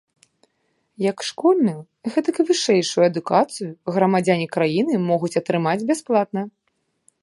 Як школьную, гэтак і вышэйшую адукацыю грамадзяне краіны могуць атрымаць бясплатна.